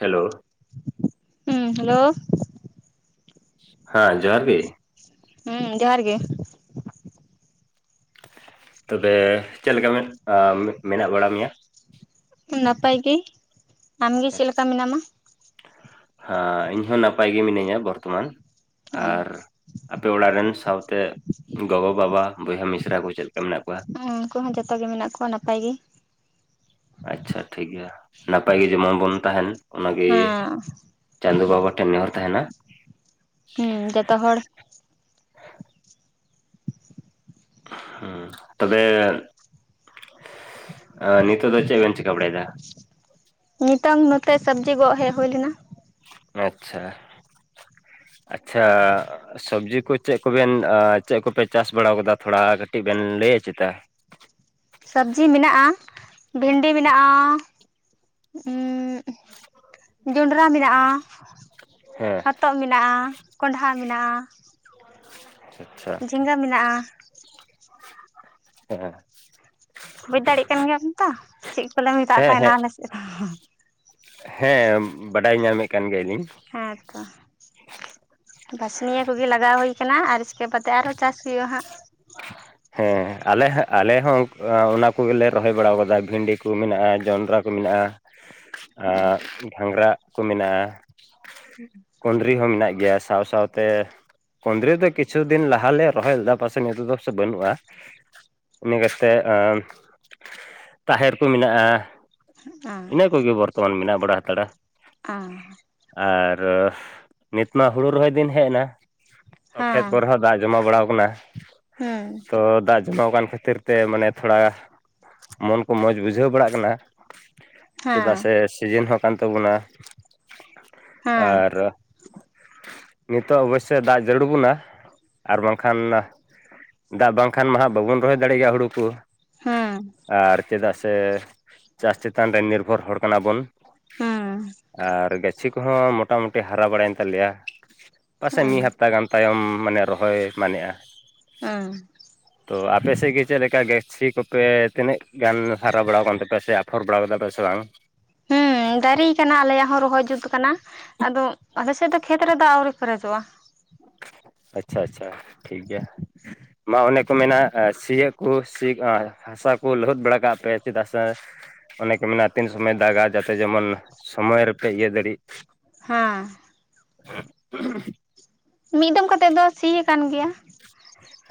Hello ᱦᱮᱸ hello ᱦᱮᱸ ᱡᱚᱦᱟᱨ ᱜᱮ ᱦᱮᱸ ᱡᱚᱦᱟᱨ ᱜᱮ ᱛᱚᱵᱮ ᱪᱮᱫ ᱞᱮᱠᱟ ᱢᱮᱱᱟᱜ ᱵᱟᱲᱟ ᱢᱮᱭᱟ ᱱᱟᱯᱟᱭ ᱜᱮ ᱟᱢ ᱜᱮᱮ ᱪᱮᱫ ᱞᱮᱠᱟ ᱟᱪᱪᱷᱟ, ᱢᱮᱱᱟᱢᱟ ᱦᱮᱸ ᱤᱧ ᱦᱚᱸ ᱱᱟᱯᱟᱭ ᱜᱮ ᱢᱤᱱᱟᱹᱧᱟ ᱵᱚᱨᱛᱚᱢᱟᱱ ᱦᱮᱸ ᱟᱨ ᱟᱯᱮ ᱚᱲᱟᱜ ᱨᱮᱱ ᱥᱟᱶᱛᱮ ᱜᱚᱜᱚ ᱵᱟᱵᱟ ᱵᱚᱭᱦᱟ ᱢᱤᱥᱨᱟ ᱠᱚ ᱪᱮᱫ ᱞᱮᱠᱟ ᱢᱮᱱᱟᱜ ᱠᱚᱣᱟ? ᱦᱮᱸ ᱩᱱᱠᱩ ᱦᱚᱸ ᱡᱚᱛᱚ ᱜᱮ ᱢᱮᱱᱟᱜ ᱠᱚᱣᱟ ᱱᱟᱯᱟᱭ ᱜᱮ ᱟᱪᱪᱷᱟ ᱴᱷᱤᱠᱜᱮᱭᱟ ᱱᱟᱯᱟᱭ ᱜᱮ ᱡᱮᱢᱚᱱ ᱵᱚᱱ ᱛᱟᱦᱮᱱ ᱚᱱᱟᱜᱮ ᱦᱮᱸ ᱪᱟᱸᱫ ᱵᱟᱵᱟ ᱴᱷᱮᱱ ᱱᱮᱦᱚᱨ ᱛᱟᱦᱮᱱᱟ ᱦᱮᱸ ᱡᱚᱛᱚ ᱦᱚᱲ ᱦᱮᱸ ᱛᱚᱵᱮ ᱱᱤᱛᱚᱜ ᱫᱚ ᱪᱮᱫ ᱵᱮᱱ ᱪᱤᱠᱟᱹ ᱵᱟᱲᱟᱭ ᱮᱫᱟ ᱱᱤᱛᱚᱝ ᱱᱚᱛᱮ ᱥᱚᱵᱡᱤ ᱜᱚᱜ ᱦᱮᱡ ᱦᱩᱭᱞᱱᱟ ᱟᱪᱪᱷᱟ ᱟᱪᱪᱷᱟ ᱥᱚᱵᱽᱡᱤ ᱠᱚ ᱪᱮᱫ ᱠᱚᱵᱮᱱ ᱪᱮᱫ ᱠᱚᱯᱮ ᱪᱟᱥ ᱵᱟᱲᱟ ᱟᱠᱟᱫᱟ ᱛᱷᱚᱲᱟ ᱠᱟᱹᱴᱤᱡ ᱵᱮᱱ [unintelligible] ᱞᱟᱹᱭ ᱪᱮᱫ ᱥᱚᱵᱽᱡᱤ ᱢᱮᱱᱟᱜᱼᱟ ᱵᱷᱮᱱᱰᱤ ᱢᱮᱱᱟᱜᱼᱟ ᱩᱸ ᱡᱚᱸᱰᱨᱟ ᱢᱮᱱᱟᱜᱼᱟ ᱦᱮᱸ ᱦᱚᱛᱚᱫ ᱢᱮᱱᱟᱜᱼᱟ ᱠᱚᱸᱰᱦᱷᱟ ᱢᱮᱱᱟᱜᱼᱟ ᱦ [inaudible] ᱡᱮᱸᱜᱟ ᱢᱮᱱᱟᱜᱼᱟ ᱦᱮᱸ ᱵᱩᱡ ᱫᱟᱲᱮᱭᱟᱜ ᱠᱟᱱ ᱜᱮᱭᱟᱵᱚᱱ ᱛᱚ ᱪᱮᱫ ᱠᱚᱞᱮ ᱢᱮᱛᱟᱜ ᱦᱮᱸ ᱛᱟᱦᱮᱱᱟ ᱟᱞᱮ ᱥᱮᱫ ᱦᱮᱸ ᱵᱟᱰᱟᱭ ᱧᱟᱢᱮᱫ ᱠᱟᱱ ᱜᱮᱭᱟᱞᱤᱧ ᱦᱮᱸᱛᱚ ᱵᱟᱷᱟᱥᱱᱤᱭᱟᱹ ᱠᱚᱜᱮ ᱞᱟᱜᱟᱣ ᱦᱩᱭᱩᱠᱟᱱᱟ ᱟᱨ ᱱᱤᱭᱟᱹ ᱠᱮᱛᱮ ᱟᱨᱚ ᱪᱟᱥ ᱦᱩᱭᱩᱷᱜᱼᱟ ᱦᱟᱸᱜ ᱦᱮᱸ ᱟᱞᱮ ᱦᱚᱸ ᱟᱞᱮ ᱟᱞᱮ ᱦᱚᱸ ᱟᱚᱱᱟ ᱠᱚᱜᱮᱞᱮ ᱨᱚᱦᱚᱭ ᱵᱟᱲᱟ ᱠᱟᱫᱟ ᱵᱷᱤᱱᱰᱤ ᱠᱚ ᱢᱮᱱᱟᱜᱼᱟ ᱡᱚᱱᱰᱨᱟ ᱠᱚ ᱢᱮᱱᱟᱜᱼᱟ [unintelligible] ᱦᱟᱸᱜ ᱟ ᱜᱷᱟᱸᱝᱜᱽᱨᱟ ᱠᱚ ᱢᱮᱱᱟᱜᱼᱟ ᱠᱩᱸᱫᱽᱨᱤ ᱦᱚᱸ ᱢᱮᱱᱟᱜ ᱜᱮᱭᱟ ᱜᱮᱭᱟ ᱥᱟᱶ ᱥᱟᱶᱛᱮ ᱠᱩᱸᱫᱽᱨᱤ ᱫᱚ ᱠᱤᱪᱷᱩ ᱠᱤᱪᱷᱩ ᱫᱤᱱ ᱞᱟᱦᱟᱟᱞᱮ ᱨᱚᱦᱚᱭ ᱞᱮᱫᱟ ᱯᱟᱥᱮ ᱱᱤᱛᱚᱜ ᱫᱚ ᱵᱟᱹᱱᱩᱜᱼᱟ ᱤᱱᱟᱹ ᱠᱟᱛᱮᱫ ᱛᱟᱦᱮᱨ ᱠᱚ ᱢᱮᱱᱟᱜᱼᱟ ᱦᱮᱸ ᱤᱱᱟᱹ ᱠᱚᱜᱮ ᱵᱚᱨᱛᱚᱢᱟᱱ ᱢᱮᱱᱟᱜ ᱵᱟᱲᱟ ᱦᱟᱛᱟᱲᱟ [unintelligible] [unintelligible] ᱱᱤᱛᱢᱟ ᱦᱩᱲᱩ ᱨᱚᱦᱚᱭ ᱫᱤᱱ ᱦᱮᱡ ᱮᱱᱟ᱾ [unintelligible] ᱫᱟᱜ ᱡᱚᱢᱟᱣ ᱵᱟᱲᱟᱣ ᱟᱠᱟᱱᱟ᱾ ᱦᱩᱸ᱾ ᱛᱚ [unintelligible] ᱠᱷᱟᱹᱛᱤᱨ ᱛᱮ ᱢᱟᱱᱮ ᱛᱷᱚᱲᱟ ᱢᱚᱱ ᱠᱚ ᱢᱚᱡᱽ ᱵᱩᱡᱷᱟᱹᱣ ᱵᱟᱲᱟᱜ ᱠᱟᱱᱟ᱾ ᱪᱮᱫᱟᱜ ᱦᱮᱸ ᱥᱮ ᱥᱤᱡᱟᱹᱱ ᱦᱚᱸ ᱠᱟᱱ ᱛᱟᱵᱚᱱᱟ᱾ ᱦᱮᱸ ᱟᱨ ᱱᱤᱛᱚᱜ ᱚᱵᱚᱥᱥᱚᱭ ᱫᱟᱜ ᱡᱟᱹᱨᱩᱲ ᱵᱚᱱᱟ᱾ ᱟᱨ ᱵᱟᱝᱠᱷᱟᱱ ᱫᱟᱜ ᱵᱟᱝᱠᱷᱟᱱ ᱢᱟ ᱦᱟᱸᱜ ᱵᱟᱵᱚᱱ ᱨᱚᱦᱚᱭ ᱫᱟᱲᱮᱭᱟᱜ ᱜᱮᱭᱟ ᱦᱩᱲᱩ ᱠᱚ᱾ ᱦᱮᱸ ᱟᱨ ᱪᱮᱫᱟᱜ ᱥᱮ ᱪᱟᱥ ᱪᱮᱛᱟᱱ ᱨᱮ ᱱᱤᱨᱵᱷᱚᱨ ᱦᱚᱲ ᱠᱟᱱᱟ ᱵᱚᱱ᱾ ᱦᱮᱸ ᱟᱨ ᱜᱟᱹᱪᱷᱤ ᱠᱚᱦᱚᱸ ᱢᱚᱴᱟᱢᱩᱴᱤ ᱦᱟᱨᱟ ᱵᱟᱲᱟᱭᱮᱱ ᱛᱟᱞᱮᱭᱟ᱾ ᱯᱟᱥᱮᱡ ᱦᱮᱸ ᱢᱤᱫ ᱦᱟᱯᱛᱟ ᱜᱟᱱ ᱛᱟᱭᱚᱢ ᱢᱟᱱᱮ ᱨᱚᱦᱚᱭ ᱢᱟᱱᱮᱜᱼᱟ᱾ ᱩᱸ᱾ [unintelligible] ᱪᱮᱫ ᱞᱮᱠᱟ ᱜᱟᱹᱪᱷᱤ ᱠᱚᱯᱮ ᱛᱤᱱᱟᱹᱜ ᱜᱟᱱ ᱦᱟᱨᱟ ᱵᱟᱲᱟᱣᱟᱱ ᱛᱟᱯᱮᱭᱟ ᱥᱮ ᱟᱯᱷᱚᱨ ᱵᱟᱲᱟ ᱠᱟᱫᱟ ᱯᱮ ᱥᱮ ᱵᱟᱝ? ᱦᱩᱸ ᱫᱟᱹᱨᱤ ᱠᱟᱱᱟ ᱟᱞᱮᱭᱟᱜ᱾ ᱦᱚ ᱨᱚᱦᱚᱭ ᱡᱩᱛ ᱟᱠᱟᱱᱟ ᱟᱫᱚ ᱟᱞᱮ ᱥᱮᱫ ᱫᱚ ᱠᱷᱮᱛ ᱨᱮ ᱫᱟᱜ ᱟᱹᱣᱨᱤ ᱯᱮᱨᱮᱡᱚᱜᱼᱟ᱾ [inaudible] ᱟᱪᱪᱷᱟ ᱟᱪᱪᱷᱟ ᱴᱷᱤᱠ ᱜᱮᱭᱟ᱾ ᱢᱟ ᱚᱱᱮ ᱠᱚ ᱢᱮᱱᱟᱜ, ᱟ ᱥᱤᱭᱟᱠᱚ ᱥᱤᱜ-ᱟ᱾ ᱥᱟᱨ ᱠᱚ ᱞᱚᱦᱚᱫ ᱵᱟᱲᱟ ᱠᱟᱜ ᱯᱮ ᱪᱮᱫᱟᱜ ᱥᱮ ᱚᱱᱮᱠᱚ ᱢᱮᱱᱟ ᱛᱤᱱ ᱥᱚᱢᱚᱭ ᱫᱟᱜᱟ ᱡᱟᱛᱮ ᱡᱮᱢᱚᱱ ᱥᱚᱢᱚᱭ ᱨᱮᱯᱮ ᱤᱭᱟᱹ ᱫᱟᱲᱤᱜ᱾ ᱦᱩᱸ᱾ [unintelligible] ᱢᱤᱫᱚᱢ ᱠᱟᱛᱮᱜ ᱫᱚ ᱥᱤᱭᱟ ᱟᱠᱟᱱ ᱜᱮᱭᱟ᱾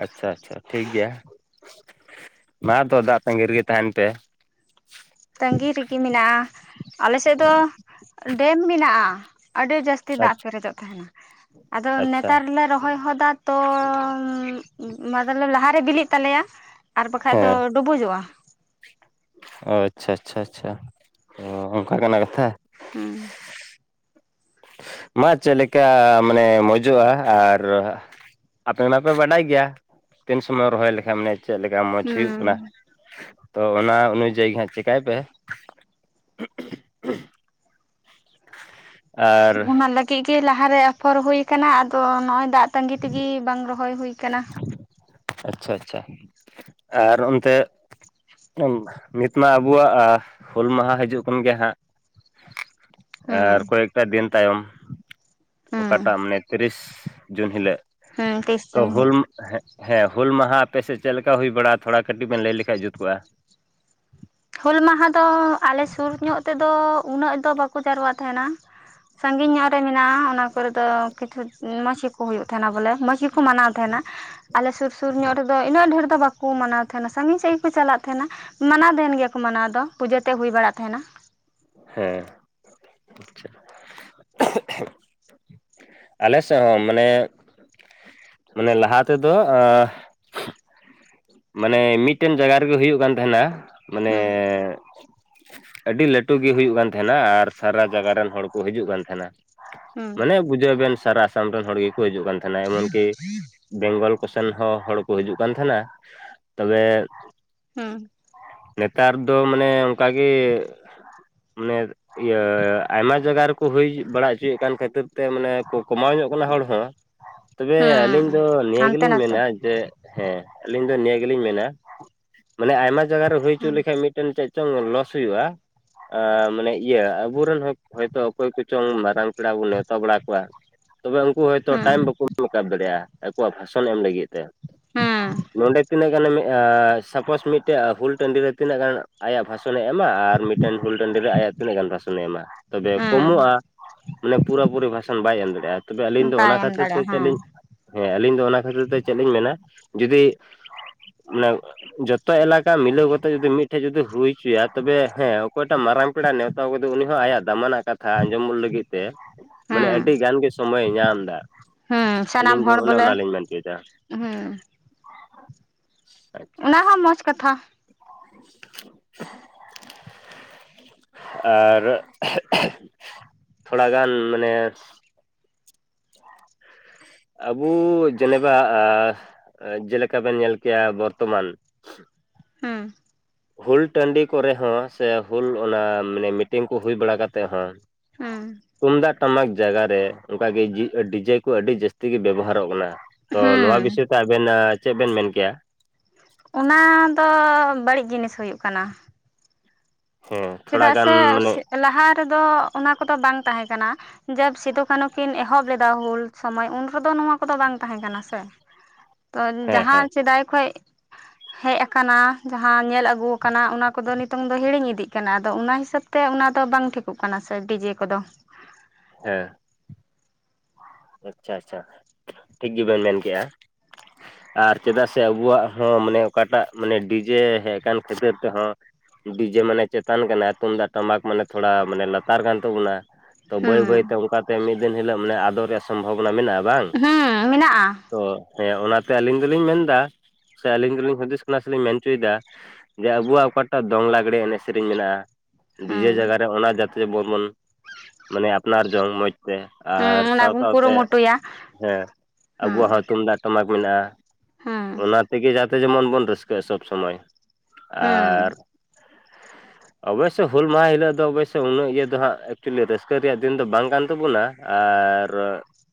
ᱟᱪᱪᱷᱟ ᱟᱪᱪᱷᱟ ᱴᱷᱤᱠ ᱜᱮᱭᱟ᱾ ᱢᱟ ᱛᱚ ᱫᱟᱜ ᱛᱟᱺᱜᱤ ᱨᱮᱜᱮ ᱛᱟᱦᱮᱱ ᱯᱮ᱾ ᱛᱟᱺᱜᱤ ᱨᱮᱜᱮ ᱢᱮᱱᱟᱜᱼᱟ᱾ ᱟᱞᱮ ᱥᱮᱫ ᱫᱚ ᱰᱮᱢ ᱢᱮᱱᱟᱜᱼᱟ᱾ ᱟᱹᱰᱤ ᱡᱟᱹᱥᱛᱤ ᱟᱪᱪᱷᱟ ᱦᱮᱸ ᱫᱟᱜ ᱯᱮᱨᱮᱡᱚᱜ ᱛᱟᱦᱮᱱᱟ ᱟᱫᱚ ᱱᱮᱛᱟᱨ ᱞᱮ ᱨᱚᱦᱚᱭ ᱦᱚᱫᱟ ᱛᱚᱻ [unintelligible] ᱞᱟᱦᱟᱨᱮ ᱵᱤᱞᱤᱜ ᱛᱟᱞᱮᱭᱟ ᱟᱨ ᱵᱟᱠᱷᱷᱟᱡ ᱫᱚ ᱰᱩᱵᱩᱡᱚᱜᱼᱟ᱾ ᱟᱻᱪᱷᱟ ᱪᱷᱟ ᱪᱷᱟ ᱩᱸ ᱚᱱᱠᱟ ᱠᱟᱱᱟ ᱠᱟᱛᱷᱟ᱾ ᱦᱩᱸ᱾ ᱢᱟ ᱪᱮᱫ ᱞᱮᱠᱟ ᱢᱟᱱᱮ ᱢᱚᱡᱚᱜᱼᱟ ᱟᱨ ᱟᱯᱮ ᱢᱟᱯᱮ ᱵᱟᱰᱟᱭ ᱜᱮᱭᱟ ᱛᱤᱱ ᱥᱚᱢᱚᱭ ᱨᱚᱦᱚᱭ ᱞᱮᱠᱷᱟᱱ ᱢᱟᱱᱮ ᱪᱮᱫ ᱞᱮᱠᱟ ᱢᱚᱡᱽ ᱦᱩᱭᱩᱜ ᱦᱩᱸ ᱠᱟᱱᱟ? ᱛᱚ ᱚᱱᱟ ᱚᱱᱤᱡᱟᱹᱭ ᱜᱮ ᱦᱟᱸᱜ ᱪᱮᱠᱟᱭ ᱯᱮ᱾ [unintelligible] ᱟᱨ ᱚᱱᱟ ᱞᱟᱹᱜᱤᱫ ᱜᱮ ᱞᱟᱦᱟᱨᱮ ᱟᱯᱷᱚᱨ ᱦᱩᱭ ᱠᱟᱱᱟ ᱟᱫᱚ ᱱᱚᱜᱼᱚᱭ ᱫᱟᱜ ᱛᱟᱺᱜᱤ ᱛᱮᱜᱮ ᱵᱟᱝ [unintelligible] ᱦᱚᱭ ᱦᱩᱭ ᱠᱟᱱᱟ᱾ ᱟᱪᱪᱷᱟ ᱟᱪᱪᱷᱟ ᱟᱨ ᱚᱱᱛᱮ [unintelligible] ᱱᱤᱛ ᱢᱟ ᱟᱵᱚᱣᱟᱜ ᱦᱩᱞ ᱢᱟᱦᱟ ᱦᱤᱡᱩᱜ ᱠᱟᱱ ᱜᱮ ᱦᱟᱸᱜ᱾ ᱦᱩᱸ ᱟᱨ ᱠᱚᱭᱮᱠᱴᱟ ᱫᱤᱱ ᱛᱟᱭᱚᱢ ᱦᱩᱸ ᱚᱠᱟᱴᱟᱜ ᱢᱟᱱᱮ ᱛᱤᱨᱤᱥ ᱡᱩᱱ ᱦᱤᱞᱟᱹᱜ᱾ ᱦᱩᱸ ᱛᱤᱥ ᱪᱚᱝ ᱦᱟᱸᱜ᱾ [unintelligible] ᱦᱩᱞ ᱢᱟᱦᱟ ᱟᱯᱮᱥᱮᱫ ᱪᱮᱫ ᱞᱮᱠᱟ ᱦᱩᱭ ᱵᱟᱲᱟᱜᱼᱟ? ᱛᱷᱚᱲᱟ ᱠᱟᱹᱴᱤᱡ ᱵᱮᱱ ᱞᱟᱹᱭ ᱞᱮᱠᱷᱟᱱ ᱡᱩᱛ ᱠᱚᱜᱼᱟ᱾ ᱦᱩᱞ ᱢᱟᱦᱟ ᱫᱚᱻ ᱟᱞᱮ ᱥᱩᱨ ᱧᱚᱜ ᱛᱮᱫᱚᱻ ᱩᱱᱟᱹᱜ ᱫᱚ ᱵᱟᱠᱚ ᱡᱟᱣᱨᱟᱜ ᱛᱟᱦᱮᱱᱟ᱾ ᱥᱟᱺᱜᱤᱧ ᱧᱚᱜ ᱨᱮ ᱢᱮᱱᱟᱜᱼᱟ᱾ ᱚᱱᱟ ᱠᱚᱨᱮ ᱫᱚ ᱠᱤᱪᱷᱩ ᱢᱚᱸᱡᱽ ᱜᱮᱠᱚ ᱦᱩᱭᱩᱜ ᱛᱟᱦᱮᱱᱟ᱾ ᱵᱚᱞᱮ ᱢᱚᱸᱡᱽ ᱜᱮᱠᱚ ᱢᱟᱱᱟᱣ [unintelligible] [unintelligible] ᱟᱞᱮ ᱥᱩᱨ ᱥᱩᱨ ᱧᱚᱜ ᱨᱮᱫᱚ ᱩᱱᱟᱹᱜ ᱰᱷᱮᱨ ᱫᱚ ᱵᱟᱠᱚ ᱢᱟᱱᱟᱣ ᱛᱟᱦᱮᱱᱟ᱾ ᱥᱟᱺᱜᱤᱧ ᱥᱟᱺᱜᱤᱧ ᱠᱚ ᱪᱟᱞᱟᱜ ᱛᱟᱦᱮᱸᱱᱟ᱾ ᱢᱟᱱᱟᱣ [unintelligible] ᱠᱚ ᱢᱟᱱᱟᱣ ᱫᱚ ᱯᱩᱡᱟᱹ ᱛᱮᱫ ᱦᱩᱭ ᱵᱟᱲᱟᱜ ᱛᱟᱦᱮᱱᱟ᱾ ᱦᱮᱸ᱾ [unintelligible] ᱟᱞᱮ ᱥᱮᱫ ᱦᱚᱸ ᱢᱟᱱᱮ ᱢᱟᱱᱮ ᱞᱟᱦᱟ ᱛᱮᱫᱚ ᱟᱻ [unintelligible] ᱢᱟᱱᱮ ᱢᱤᱫᱴᱮᱱ ᱡᱟᱜᱟ ᱨᱮᱜᱮ ᱦᱩᱭᱩᱜ ᱠᱟᱱ ᱛᱟᱦᱮᱱᱟ᱾ ᱢᱟᱱᱮᱻ ᱦᱩᱸ ᱟᱹᱰᱤ ᱞᱟᱹᱴᱩ ᱜᱮ ᱦᱩᱭᱩᱜ ᱠᱟᱱ ᱛᱟᱦᱮᱱᱟ ᱟᱨ ᱥᱟᱨᱟ ᱡᱟᱜᱟ ᱨᱮᱱ ᱦᱚᱲ ᱠᱚ ᱦᱤᱡᱩᱜ ᱠᱟᱱ ᱛᱟᱦᱮᱱᱟ᱾ ᱦᱩᱸ ᱢᱟᱱᱮ ᱵᱩᱡᱷᱟᱹᱣ ᱵᱮᱱ ᱥᱟᱨᱟ ᱟᱥᱟᱢ ᱨᱮᱱ ᱦᱚᱲ ᱜᱮᱠᱚ ᱦᱤᱡᱩᱜ ᱠᱟᱱ ᱛᱟᱦᱮᱱᱟ᱾ ᱮᱢᱚᱱᱠᱤ ᱵᱮᱝᱜᱚᱞ ᱠᱚ ᱥᱮᱱ ᱦᱚᱸ ᱦᱚᱲ ᱠᱚ ᱦᱤᱡᱩᱜ ᱠᱟᱱ ᱛᱟᱦᱮᱱᱟ ᱛᱚᱵᱮ ᱦᱮᱸ ᱱᱮᱛᱟᱨ ᱫᱚ ᱢᱟᱱᱮ ᱚᱱᱠᱟᱜᱮ ᱢᱟᱱᱮ ᱤᱭᱟᱹ ᱟᱭᱢᱟ ᱡᱟᱭᱜᱟ ᱨᱮᱠᱚ ᱦᱩᱭ ᱵᱟᱲᱟ ᱦᱚᱪᱚᱭᱮᱫ ᱠᱟᱱ ᱠᱷᱟᱹᱛᱤᱨ ᱛᱮ ᱢᱟᱱᱮ ᱠᱚ ᱠᱚᱢᱟᱣ ᱦᱚᱲ ᱦᱚᱸ ᱛᱚᱵᱮ ᱦᱩᱸ ᱟᱹᱞᱤᱧ ᱫᱚ ᱱᱤᱭᱟᱹ ᱦᱟᱱᱛᱮ ᱜᱮᱞᱤᱧ ᱱᱟᱛᱮ ᱢᱮᱱᱟ ᱡᱮ ᱦᱮᱸ ᱟᱹᱞᱤᱧ ᱫᱚ ᱱᱤᱭᱟᱹ ᱜᱮᱞᱤᱧ ᱢᱮᱱᱟ ᱢᱟᱱᱮ ᱟᱭᱢᱟ ᱡᱟᱭᱜᱟ ᱨᱮ ᱦᱩᱭ ᱦᱚᱪᱚ ᱦᱩᱸ ᱞᱮᱠᱷᱟᱡ ᱢᱤᱫᱴᱮᱱ ᱪᱮᱫ ᱪᱚᱝ ᱞᱚᱥ ᱦᱩᱭᱩᱜᱼᱟ ᱢᱟᱱᱮ ᱤᱭᱟᱹ ᱟᱵᱚᱨᱮᱱ ᱦᱚᱭᱛᱳ ᱚᱠᱚᱭ ᱠᱚᱪᱚᱝ ᱢᱟᱨᱟᱝ ᱯᱮᱲᱟ ᱵᱚᱱ ᱱᱮᱣᱛᱟ ᱵᱟᱲᱟ ᱠᱚᱣᱟ ᱛᱚᱵᱮ ᱩᱱᱠᱩ ᱦᱚᱭᱛᱚ ᱦᱩᱸ ᱴᱟᱭᱤᱢ ᱵᱟᱠᱚ ᱢᱮᱠᱟᱯ ᱫᱟᱲᱮᱭᱟᱜᱼᱟ ᱟᱠᱚᱣᱟᱜ ᱵᱷᱟᱥᱚᱱ ᱮᱢ ᱞᱟᱹᱜᱤᱫ ᱦᱩᱸ [unintelligible] ᱛᱤᱱᱟᱹᱜ ᱜᱟᱱᱮ ᱥᱟᱯᱳᱥ ᱢᱤᱫᱴᱮᱡ ᱦᱩᱞ ᱴᱟᱺᱰᱤ ᱨᱮ ᱛᱤᱱᱟᱹᱜ ᱜᱟᱱ ᱟᱭᱟᱜ ᱵᱷᱟᱥᱚᱱᱮ ᱮᱢᱟ ᱟᱨ ᱢᱤᱫᱴᱮᱱ ᱦᱩᱞ ᱴᱟᱺᱰᱤ ᱨᱮ ᱟᱭᱟᱜ ᱛᱤᱱᱟ. ᱜ ᱜᱟᱱ ᱵᱷᱟᱥᱚᱱᱮ ᱮᱢᱟ ᱛᱚᱵᱮ ᱦᱮᱸ ᱠᱚᱢᱚᱜ ᱟ ᱢᱟᱱᱮ ᱯᱩᱨᱟᱹ ᱯᱩᱨᱤ ᱵᱷᱟᱥᱚᱱ ᱵᱟᱭ ᱮᱢ ᱫᱟᱲᱮᱭᱟᱜᱼᱟ ᱛᱚᱵᱮ ᱟᱹᱞᱤᱧ ᱫᱚ ᱵᱟᱭ ᱚᱱᱟ ᱮᱢ ᱠᱷᱟᱹᱛᱤᱨ ᱫᱟᱲᱮᱭᱟᱜᱼᱟ ᱛᱮ ᱪᱮᱫ ᱦᱮᱸ ᱞᱤᱧ ᱦᱮᱸ ᱟᱹᱞᱤᱧ ᱫᱚ ᱚᱱᱟ ᱠᱷᱟᱹᱛᱤᱨ ᱛᱮ ᱪᱮᱫ ᱞᱤᱧ ᱢᱮᱱᱟ [unintelligible] ᱢᱟᱱᱮ ᱡᱚᱛᱚ ᱮᱞᱟᱠᱟ ᱢᱤᱞᱟᱹᱣ ᱠᱟᱛᱮᱜ ᱡᱩᱫᱤ ᱢᱤᱫᱴᱷᱮᱡ ᱡᱩᱫᱤ ᱦᱩᱭ ᱦᱚᱪᱚᱭᱟ ᱛᱚᱵᱮ ᱦᱮᱸ ᱚᱠᱚᱭᱴᱟᱜ ᱢᱟᱨᱟᱝ ᱯᱮᱲᱟ ᱱᱮᱶᱛᱟ ᱠᱟᱫᱮ ᱩᱱᱤ ᱦᱚᱸ ᱟᱭᱟᱜ ᱫᱟᱢᱟᱱᱟᱜ ᱠᱟᱛᱷᱟ ᱟᱸᱡᱚᱢᱚᱜ ᱞᱟᱹᱜᱤᱫ ᱛᱮ ᱢᱟᱱᱮ ᱦᱮᱸ ᱟᱹᱰᱤ ᱜᱟᱱ ᱜᱮ ᱥᱚᱢᱚᱭ ᱮ ᱧᱟᱢ ᱫᱟ ᱦᱮᱸ ᱥᱟᱱᱟᱢ ᱟᱹᱞᱤᱧ ᱫᱚ ᱦᱚᱲ ᱚᱱᱮ ᱵᱚᱞᱮ ᱚᱱᱟᱞᱤᱧ ᱢᱮᱱ ᱦᱚᱪᱚᱭ ᱫᱟ ᱦᱮᱸ ᱚᱱᱟ ᱦᱚᱸ ᱢᱚᱸᱡᱽ ᱠᱟᱛᱷᱟ [inaudible] ᱟᱨ ᱦᱮᱜ ᱦᱮᱜ ᱛᱷᱚᱲᱟᱜᱟᱱ ᱢᱟᱱᱮ [inaudible] ᱟᱵᱚ ᱡᱮᱞᱮᱠᱟ ᱮ ᱡᱮᱞᱮᱠᱟ ᱵᱮᱱ ᱧᱮᱞ ᱠᱮᱭᱟ ᱵᱚᱨᱛᱚᱢᱟᱱ ᱦᱩᱸ ᱦᱩᱞ ᱴᱟᱺᱰᱤ ᱠᱚᱨᱮ ᱦᱚᱸ ᱥᱮ ᱦᱩᱞ ᱚᱱᱟ ᱢᱟᱱᱮ ᱢᱤᱴᱤᱝ ᱠᱚ ᱦᱩᱭ ᱵᱟᱲᱟ ᱠᱟᱛᱮᱫ ᱦᱚᱸ ᱦᱩᱸ ᱛᱩᱢᱫᱟᱜ ᱴᱟᱢᱟᱠ ᱡᱟᱭᱜᱟᱨ ᱨᱮ ᱚᱱᱠᱟᱜ ᱜᱮ ᱡᱤ ᱰᱤᱡᱮ ᱠᱚ ᱟᱹᱰᱤ ᱡᱟᱹᱥᱛᱤ ᱜᱮ ᱵᱮᱵᱚᱦᱟᱨᱚᱜ ᱠᱟᱱᱟ ᱛᱚ ᱦᱮᱸ ᱱᱚᱣᱟ ᱵᱤᱥᱚᱭ ᱛᱮ ᱟᱵᱮᱱ ᱪᱮᱫ ᱵᱮᱱ ᱢᱮᱱ ᱠᱮᱭᱟ ᱚᱱᱟ ᱫᱚ ᱵᱟᱹᱲᱤᱡ ᱡᱤᱱᱤᱥ ᱦᱩᱭᱩᱜ ᱠᱟᱱᱟ ᱦᱮᱸ ᱛᱷᱚᱲᱟ ᱪᱮᱫᱟᱜ ᱜᱟᱱ ᱥᱮ ᱢᱟᱱᱮ ᱥᱮ ᱞᱟᱦᱟ ᱨᱮᱫᱚ ᱚᱱᱟ ᱠᱚᱫᱚ ᱵᱟᱝ ᱛᱟᱦᱮᱸ ᱠᱟᱱᱟ ᱡᱟᱵ ᱥᱤᱫᱩᱠᱟᱱᱩ ᱠᱤᱱ ᱮᱦᱚᱵ ᱞᱮᱫᱟ ᱦᱩᱞ ᱥᱚᱢᱚᱭ ᱩᱱ ᱦᱚᱵᱚ ᱱᱚᱣᱟ ᱠᱚᱫᱚ ᱵᱟᱝ ᱛᱟᱦᱮᱸ ᱠᱟᱱᱟ ᱥᱮ [inaudible] ᱛᱚ ᱡᱟᱦᱟᱸ ᱦᱮᱸ ᱥᱮᱫᱟᱭ ᱠᱷᱚᱡ ᱦᱮᱡ ᱟᱠᱟᱱᱟ ᱡᱟᱦᱟᱸ ᱧᱮᱞ ᱟ. ᱜᱩ ᱟᱠᱟᱱᱟ ᱚᱱᱟ ᱠᱚᱫᱚ ᱱᱤᱛᱚᱝ ᱫᱚ ᱦᱤᱲᱤᱧ ᱤᱫᱤᱜ ᱠᱟᱱᱟ ᱟᱫᱚ ᱚᱱᱟ ᱦᱤᱥᱟᱹᱵ ᱛᱮ ᱚᱱᱟ ᱫᱚ ᱵᱟᱝ ᱴᱷᱤᱠᱚᱜ ᱠᱟᱱᱟ ᱥᱮ ᱰᱤᱡᱮ ᱠᱚᱫᱚ ᱦᱮᱸ ᱟᱪᱪᱷᱟ ᱟᱪᱪᱷᱟ ᱴᱷᱤᱠ ᱜᱮᱵᱮᱱ ᱢᱮᱱ ᱠᱮᱜᱼᱟ ᱟᱨ ᱪᱮᱫᱟᱜ ᱥᱮ ᱟᱵᱚᱣᱟᱜ ᱦᱚᱸ ᱢᱟᱱᱮ ᱚᱠᱟᱴᱟᱜ ᱢᱟᱱᱮ ᱰᱤᱡᱮ ᱦᱮᱡ ᱟᱠᱟᱱ ᱠᱷᱟᱹᱛᱤᱨ ᱛᱮᱦᱚᱸ ᱰᱤᱡᱮ ᱢᱟᱱᱮ ᱪᱮᱛᱟᱱ ᱠᱟᱱᱟ ᱛᱩᱢᱫᱟᱜ ᱴᱟᱢᱟᱠ ᱢᱟᱱᱮ ᱛᱷᱚᱲᱟ ᱢᱟᱱᱮ ᱞᱟᱛᱟᱨ ᱠᱟᱱ ᱛᱟᱵᱚᱱᱟ ᱛᱚ ᱵᱟᱹᱭ ᱦᱮᱸ ᱵᱟᱹᱭᱛᱮ ᱚᱱᱠᱟᱛᱮ ᱢᱤᱫ ᱫᱤᱱ ᱦᱤᱞᱳᱜ ᱢᱟᱱᱮ ᱟᱫᱚᱜ ᱨᱮᱭᱟᱜ ᱥᱚᱢᱵᱷᱚᱵᱚᱱᱟ ᱢᱮᱱᱟᱜᱼᱟ ᱵᱟᱝ ᱦᱮᱸ ᱢᱮᱱᱟᱜᱼᱟ ᱛᱚ ᱦᱮᱸ ᱚᱱᱟᱛᱮ ᱟᱹᱞᱤᱧ ᱫᱚᱞᱤᱧ ᱢᱮᱱᱫᱟ ᱥᱮ ᱟᱹᱞᱤᱧ ᱫᱚᱞᱤᱧ ᱦᱩᱫᱤᱥ ᱠᱟᱱᱟ ᱥᱮᱞᱤᱧ ᱢᱮᱱ ᱦᱚᱪᱚᱭᱮᱫᱟ ᱡᱮ ᱟᱵᱚᱣᱟᱜ ᱚᱠᱟᱴᱟᱜ ᱫᱚᱝ ᱞᱟᱜᱽᱲᱮ ᱮᱱᱮᱡ ᱥᱮᱨᱮᱧ ᱢᱮᱱᱟᱜᱼᱟ ᱰᱤᱡᱮ ᱡᱟᱭᱜᱟ ᱦᱮᱸ ᱨᱮ ᱚᱱᱟ ᱡᱟᱛᱮᱵᱚᱱ ᱵᱚᱱ ᱢᱟᱱᱮ ᱟᱯᱱᱟᱨ ᱡᱚᱝ ᱢᱚᱡᱽ ᱟᱨ ᱦᱮᱸ ᱚᱱᱟ ᱥᱟᱶ ᱵᱚᱱ ᱥᱟᱶᱛᱮ ᱠᱩᱨᱩᱢᱩᱴᱩᱭᱟ ᱦᱮᱸ ᱦᱮᱸ ᱟᱵᱚᱣᱟᱜ ᱦᱚᱸ ᱛᱩᱢᱫᱟᱜ ᱴᱟᱢᱟᱠ ᱢᱮᱱᱟᱜᱼᱟ ᱦᱮᱸ ᱚᱱᱟ ᱛᱮᱜᱮ ᱡᱟᱛᱮ ᱡᱮᱢᱚᱱ ᱵᱚᱱ ᱨᱟᱹᱥᱠᱟᱹᱜᱼᱟ ᱥᱚᱵᱽ ᱥᱚᱢᱚᱭ ᱦᱮᱸ ᱟᱨ ᱚᱵᱚᱥᱥᱳᱭ ᱦᱩᱞ ᱢᱟᱦᱟ ᱦᱤᱞᱳᱜ ᱫᱚ ᱚᱵᱚᱥᱳ ᱩᱱᱟᱹᱜ ᱤᱭᱟᱹ ᱫᱚ ᱦᱟᱸᱜ ᱮᱠᱪᱩᱭᱮᱞᱤ ᱨᱟᱹᱥᱠᱟᱹ ᱨᱮᱭᱟᱜ ᱫᱤᱱ ᱫᱚ ᱵᱟᱝ ᱠᱟᱱ ᱛᱟᱵᱚᱱᱟ ᱟᱨ ᱟᱨ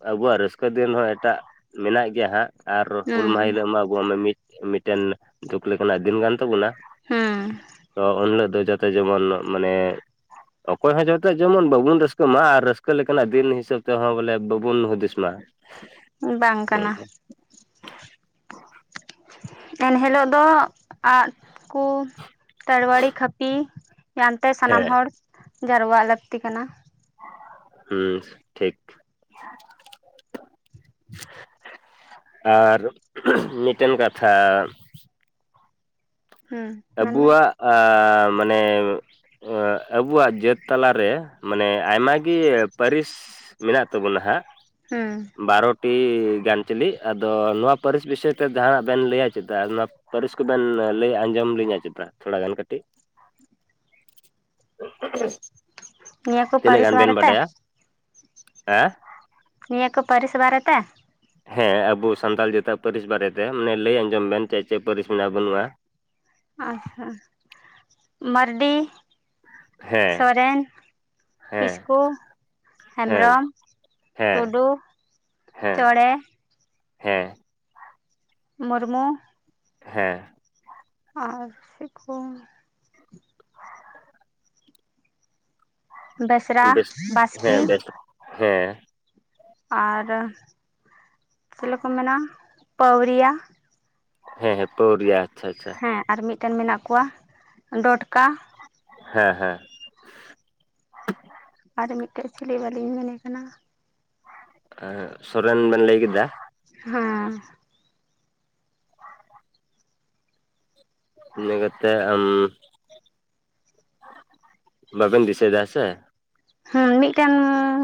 ᱟᱵᱚᱣᱟᱜ ᱨᱟᱹᱥᱠᱟᱹ ᱫᱤᱱ ᱦᱚᱸ ᱮᱴᱟᱜ ᱢᱮᱱᱟᱜ ᱜᱮᱭᱟ ᱦᱟᱸᱜ ᱟᱨ ᱦᱩᱞ ᱦᱮᱸ ᱢᱟᱦᱟ ᱦᱤᱞᱳᱜ ᱢᱟ ᱟᱵᱚᱣᱟᱜ ᱢᱤᱫ ᱢᱤᱫᱴᱮᱱ ᱫᱩᱠ ᱞᱮᱠᱟᱱᱟᱜ ᱫᱤᱱ ᱠᱟᱱ ᱛᱟᱵᱚᱱᱟ ᱦᱮᱸ ᱛᱚ ᱩᱱᱦᱤᱞᱳ ᱫᱚ ᱡᱟᱛᱮ ᱡᱮᱢᱚᱱ ᱢᱟᱱᱮ ᱚᱠᱚᱭ ᱦᱚᱸ ᱡᱚᱛᱚ ᱡᱮᱢᱚᱱ ᱵᱟᱵᱚᱱ ᱨᱟᱹᱥᱠᱟᱹ ᱢᱟ ᱟᱨ ᱨᱟᱹᱥᱠᱟᱹ ᱞᱮᱠᱟᱱᱟᱜ ᱫᱤᱱ ᱦᱤᱥᱟᱹᱵ ᱛᱮᱦᱚᱸ ᱵᱚᱞᱮ ᱵᱟᱵᱚᱱ ᱦᱩᱫᱤᱥ ᱢᱟ᱾ ᱵᱟᱝ ᱠᱟᱱᱟ᱾ ᱮᱱᱦᱤᱞᱳᱜ ᱫᱚ ᱟᱜ ᱠᱚ ᱛᱟᱲᱣᱟᱲᱤ ᱠᱷᱟᱹᱯᱤ ᱮᱟᱱᱛᱮ ᱥᱟᱱᱟᱢ ᱦᱮᱸ ᱦᱚᱲ ᱡᱟᱨᱣᱟᱜ ᱞᱟᱹᱠᱛᱤ ᱠᱟᱱᱟ᱾ ᱦᱩᱸ ᱴᱷᱤᱠ᱾ ᱟᱨ ᱢᱤᱫᱴᱮᱱ ᱠᱟᱛᱷᱟ ᱦᱮᱸ ᱢᱮᱱᱵᱮᱱ ᱟᱵᱚᱣᱟᱜ ᱢᱟᱱᱮ ᱟᱵᱩᱣᱟᱜ ᱡᱟᱹᱛ ᱛᱟᱞᱟᱨᱮ ᱢᱟᱱᱮ ᱟᱭᱢᱟ ᱜᱮ ᱯᱟᱹᱨᱤᱥ ᱢᱮᱱᱟᱜ ᱛᱟᱵᱚᱱᱟ ᱦᱟᱜ ᱦᱮᱸ ᱴᱤ ᱜᱟᱱ ᱪᱟᱞᱤ ᱟᱫᱚ ᱱᱚᱣᱟ ᱯᱟᱹᱨᱤᱥ ᱵᱤᱥᱚᱭ ᱛᱮ ᱡᱟᱦᱟᱱᱟᱜ ᱵᱮᱱ ᱞᱟᱹᱭᱟ ᱪᱮᱫᱟ ᱱᱚᱣᱟ ᱯᱟᱹᱨᱤᱥ ᱠᱚᱵᱮᱱ ᱞᱟᱹᱭ ᱟᱸᱡᱚᱢ [unintelligible] ᱛᱷᱚᱲᱟ ᱜᱟᱱ ᱠᱟᱹᱴᱤᱡ ᱱᱤᱭᱟᱹ ᱠᱚ ᱛᱤᱱᱟᱹᱜ ᱯᱟᱹᱨᱤᱥ ᱜᱟᱱ ᱵᱮᱱ ᱵᱟᱨᱮ ᱛᱮ ᱵᱟᱰᱟᱭᱟ ᱦᱮᱸ ᱱᱤᱭᱟᱹ ᱠᱚ ᱯᱟᱹᱨᱤᱥ ᱵᱟᱨᱮ ᱛᱮ ᱦᱮᱸ ᱟᱵᱚ ᱥᱟᱱᱛᱟᱞ ᱡᱟᱹᱛᱟᱹ ᱯᱟᱹᱨᱤᱥ ᱵᱟᱨᱮᱛᱮ ᱢᱟᱱᱮ ᱞᱟᱹᱭ ᱟᱸᱡᱚᱢ ᱵᱮᱱ ᱪᱮᱫ ᱪᱮᱫ ᱯᱟᱹᱨᱤᱥ ᱢᱮᱱᱟᱜ ᱵᱟᱹᱱᱩᱜᱼᱟ᱾ ᱟᱪᱪᱷᱟ ᱢᱟᱨᱰᱤ ᱦᱮᱸ ᱥᱚᱨᱮᱱ ᱦᱮᱸ ᱠᱤᱥᱠᱩ ᱦᱮᱸ ᱦᱮᱢᱵᱨᱚᱢ ᱦᱮᱸ ᱴᱩᱰᱩ ᱦᱮᱸ ᱪᱚᱬᱮ ᱦᱮᱸ ᱢᱩᱨᱢᱩ ᱦᱮᱸ ᱟᱨ ᱪᱮᱫ ᱠᱚ ᱵᱮᱥᱨᱟ ᱵᱮᱥ ᱦᱮᱸ ᱵᱟᱥᱠᱮ ᱵᱮᱥ ᱦᱮᱸ ᱟᱨ ᱪᱮᱫ ᱠᱚ ᱢᱮᱱᱟ ᱯᱟᱹᱣᱨᱤᱭᱟ ᱦᱮᱸ ᱦᱮᱸ ᱯᱳᱣᱨᱤᱭᱟ ᱜᱮ ᱦᱮᱸ ᱟᱨ ᱢᱤᱫᱴᱮᱱ ᱢᱮᱱᱟᱜ ᱠᱚᱣᱟ ᱰᱚᱴᱠᱟ ᱦᱮᱸ ᱦᱮᱸ ᱟᱨ ᱢᱤᱫᱴᱮᱡ ᱪᱤᱞᱤ ᱵᱟᱞᱤᱧ ᱢᱮᱱᱮ ᱠᱟᱱᱟ ᱥᱚᱨᱮᱱ ᱵᱮᱱ ᱞᱟᱹᱭ ᱠᱮᱫᱟ ᱦᱮᱸ ᱤᱱᱟ ᱠᱟᱛᱮ ᱧᱩᱸ ᱵᱟᱵᱮᱱ ᱫᱤᱥᱟᱹᱭ ᱫᱟ ᱥᱮ? ᱦᱮᱸ ᱢᱤᱫᱴᱮᱱ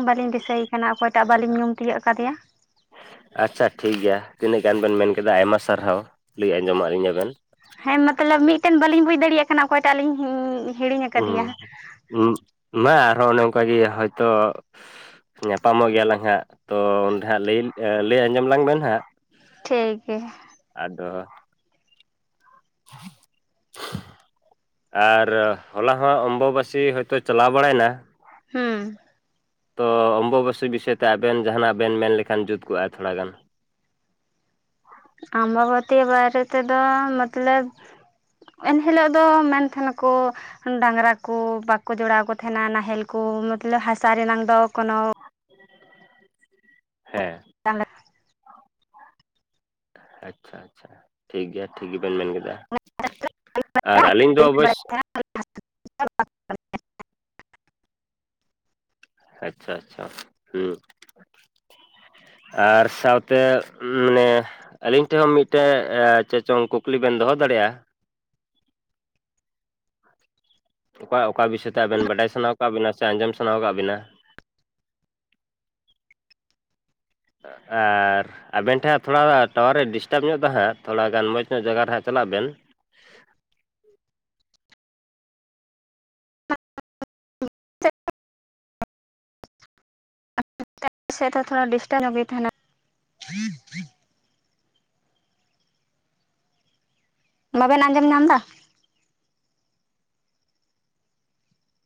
ᱵᱟᱹᱞᱤᱧ ᱫᱤᱥᱟᱹᱭᱮ ᱠᱟᱱᱟ ᱚᱠᱚᱭᱴᱟᱜ ᱵᱟᱹᱞᱤᱧ ᱧᱩᱢ ᱛᱤᱭᱳᱜ ᱠᱟᱫᱮᱭᱟ᱾ ᱟᱪᱪᱷᱟ ᱴᱷᱤᱠ ᱜᱮᱭᱟ ᱛᱤᱱᱟᱹᱜ ᱜᱟᱱ ᱵᱮᱱ ᱢᱮᱱ ᱠᱮᱫᱟ ᱟᱭᱢᱟ ᱥᱟᱨᱦᱟᱣ ᱞᱟᱹᱭ ᱟᱸᱡᱚᱢᱟᱫ ᱞᱤᱧᱟ ᱵᱮᱱ᱾ ᱦᱮᱸ ᱢᱚᱛᱞᱚᱵ ᱢᱤᱫᱴᱮᱱ ᱵᱟᱹᱞᱤᱧ ᱵᱩᱡ ᱫᱟᱲᱮᱭᱟᱜ ᱠᱟᱱᱟ ᱚᱠᱚᱭᱴᱟᱜ ᱞᱤᱧ ᱦᱤᱲᱤᱧ ᱟᱠᱟᱫᱮᱭᱟ ᱦᱮᱸ ᱢᱟ ᱟᱨᱦᱚᱸ ᱚᱱᱮ ᱚᱱᱠᱟᱜᱮ ᱦᱚᱭᱛᱳ ᱧᱟᱯᱟᱢᱚᱜ ᱜᱮᱭᱟᱞᱟᱝ ᱦᱟᱸᱜ ᱛᱚ ᱚᱸᱰᱮ ᱦᱟᱸᱜ ᱞᱟᱹᱭ ᱞᱟᱹᱭ ᱟᱸᱡᱚᱢ ᱞᱟᱝ ᱵᱮᱱ ᱦᱟᱸᱜ ᱴᱷᱤᱠ ᱜᱮᱭᱟ᱾ ᱟᱫᱚ [inaudible] ᱟᱨ ᱦᱚᱞᱟ ᱦᱚᱸ ᱚᱢᱵᱵᱟᱹᱥᱤ ᱦᱚᱭᱛᱳ ᱪᱟᱞᱟᱣ ᱵᱟᱲᱟᱭᱮᱱᱟ ᱦᱮᱸ ᱛᱚ ᱚᱢᱵᱳᱵᱟᱹᱥᱤ ᱵᱤᱥᱚᱭ ᱛᱮ ᱟᱵᱮᱱ ᱡᱟᱦᱟᱱᱟᱜ ᱵᱮᱱ ᱢᱮᱱ ᱞᱮᱠᱷᱟᱱ ᱡᱩᱛ ᱠᱚᱜᱼᱼᱟ ᱛᱷᱚᱲᱟ ᱜᱟᱱ? [inaudible] ᱵᱷᱟᱨᱚᱛᱤ ᱵᱟᱨᱮ ᱛ ᱫᱚ ᱢᱚᱛᱞᱚᱵ ᱮᱱᱦᱤᱞᱳᱜ ᱫᱚ ᱢᱮᱱ ᱛᱟᱦᱮᱱᱟᱠᱚ ᱰᱟᱝᱨᱟ ᱠᱚ ᱵᱟᱠᱚ ᱡᱚᱲᱟᱣ ᱠᱚ ᱛᱟᱦᱮᱱᱟ ᱱᱟᱦᱮᱞ ᱠᱚ ᱢᱚᱛᱞᱚᱵ ᱦᱟᱥᱟ ᱨᱮᱱᱟᱝ ᱫᱚ ᱠᱳᱱᱳ ᱦᱮᱸ ᱟᱪᱪᱷᱟ, ᱟᱪᱪᱷᱟ ᱴᱷᱤᱠᱜᱮᱭᱟ ᱴᱷᱤᱠ ᱜᱮᱵᱮᱱ ᱢᱮᱱ ᱠᱮᱫᱟ᱾ ᱟᱨ ᱟᱹᱞᱤᱧ ᱫᱚ ᱚᱵᱚᱥᱚᱭ [inaudible] ᱟᱪᱪᱷᱟ, ᱟᱪᱪᱷᱟ ᱦᱩᱸ᱾ ᱟᱨ ᱥᱟᱶᱛᱮ ᱢᱟᱱᱮ ᱟᱹᱞᱤᱧ ᱴᱷᱮᱱ ᱦᱚᱸ ᱢᱤᱫᱴᱮᱱ ᱪᱮᱪᱚᱝ ᱠᱩᱠᱞᱤ ᱵᱮᱱ ᱫᱚᱦᱚ ᱫᱟᱲᱮᱭᱟᱜᱼᱟ᱾ ᱚᱠᱟ ᱚᱠᱟ ᱵᱤᱥᱚᱭ ᱛᱮ ᱟᱵᱮᱱ ᱵᱟᱰᱟᱭ ᱥᱟᱱᱟ ᱟᱠᱟᱟᱜ ᱵᱤᱱᱟ ᱥᱮ ᱟᱸᱡᱚᱢ ᱥᱟᱱᱟ ᱟᱠᱟᱫ ᱵᱤᱱᱟ ᱚ ᱟᱨ ᱟᱵᱮᱱ ᱴᱷᱮᱱ ᱛᱷᱚᱲᱟ ᱴᱟᱣᱟᱨᱮ ᱰᱤᱥᱴᱟᱵᱽ ᱧᱚᱜ ᱮ ᱦᱟᱸᱜ ᱛᱷᱚᱲᱟ ᱜᱟᱱ ᱢᱚᱡᱽ ᱧᱚᱜ ᱡᱟᱭᱜᱟ ᱨᱮ ᱦᱟᱸᱜ ᱪᱟᱞᱟᱜ ᱵᱮᱱ ᱦ [inaudible] ᱥᱮᱫ ᱦᱚᱸ ᱛᱷᱚᱲᱟ ᱰᱤᱥᱴᱟᱵᱽ ᱜᱮ ᱛᱟᱦᱮᱱᱟ ᱵᱟᱵᱮᱱ ᱟᱸᱡᱚᱢ ᱧᱟᱢ ᱮᱫᱟ᱾